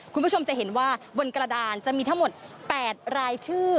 คุณผู้ชมจะเห็นว่าบนกระดานจะมีทั้งหมด๘รายชื่อ